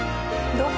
どこ？